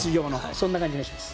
そんな感じがします。